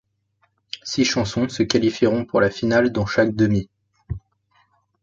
Six chansons se qualifieront pour la finale dans chaque demi.